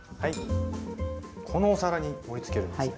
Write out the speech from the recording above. このお皿に盛りつけるんですね。